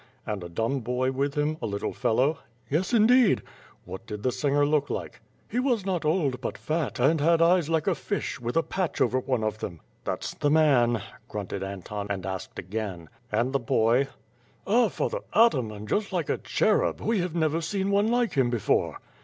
"And a dumb boy with him, a little fellow?" "Yes indeed." "What did the singer look like?" "lie was not old bu«t fat, and had eyes like a fish, with a patch over one of them." "That's the man," grunted Anton, and asked again. "And the boy?" "Ah! Father Ataman, just like a cherub! We have never seen one like him before."